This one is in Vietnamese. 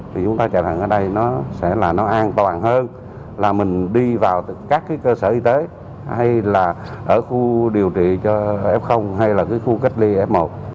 thì chúng ta chạy thận ở đây sẽ là an toàn hơn là mình đi vào các cơ sở y tế hay là ở khu điều trị cho f hay là khu cách ly f một